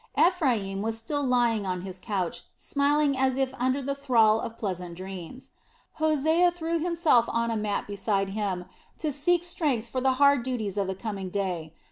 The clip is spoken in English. Ephraim was still lying on his couch, smiling as if under the thrall of pleasant dreams. Hosea threw himself on a mat beside him to seek strength for the hard duties of the coming day.